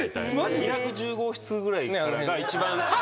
２１０号室ぐらいからが一番。